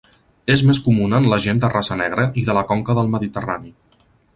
És més comuna en la gent de raça negra i de la conca del Mediterrani.